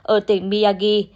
ở tỉnh miyagi